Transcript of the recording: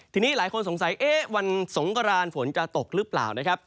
ทีนี้หลายคนสงสัยเอ๊ะวันสงกรานฝนจะตกหรือเปล่านะครับ